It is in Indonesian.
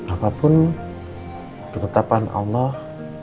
apapun ketetapan allah